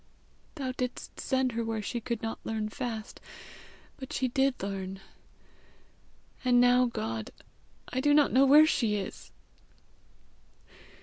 Thou didst send her where she could not learn fast but she did learn. And now, God, I do not know where she is!